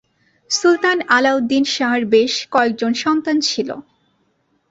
সুলতান আলাউদ্দিন শাহর বেশ কয়েকজন সন্তান ছিল।